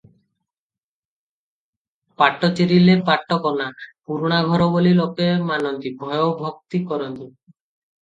ପାଟ ଚିରିଲେ ପାଟ କନା, ପୁରୁଣା ଘର ବୋଲି ଲୋକେ ମାନନ୍ତି, ଭୟ ଭକ୍ତି କରନ୍ତି ।